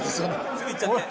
すぐいっちゃって。